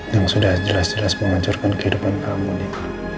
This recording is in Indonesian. yang sudah jelas jelas menghancurkan kehidupan kamu di